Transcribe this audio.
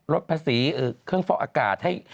ลดภาษีเครื่องฟอกอากาศให้